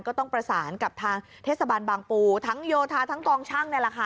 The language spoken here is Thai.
ก็ต้องประสานกับทางเทศบาลบางปู่ทั้งโยธาทั้งกองช่าง